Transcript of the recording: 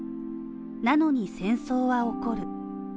なのに戦争は起こる。